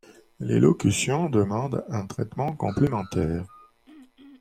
Les locutions demandent un traitement complémentaire.